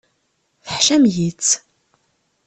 Teḥcam-iyi-tt.